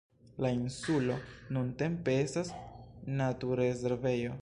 La insulo nuntempe estas naturrezervejo.